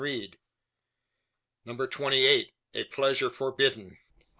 CHAPTER TWENTY EIGHT. A PLEASURE FORBIDDEN.